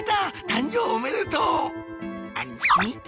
誕生おめでとう！